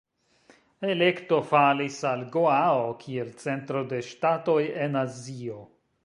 Elekto falis al Goao kiel centro de ŝtatoj en Azio.